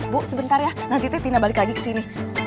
bu sebentar ya nanti teh tina balik lagi kesini